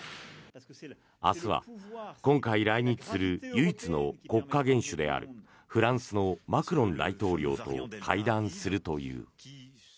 明日は今回来日する唯一の国家元首であるフランスのマクロン大統領と会談するという。